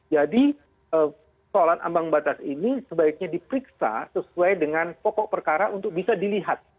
soalan ambang batas ini sebaiknya diperiksa sesuai dengan pokok perkara untuk bisa dilihat